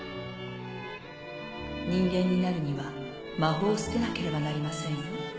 人間になるには魔法を捨てなければなりませんよ。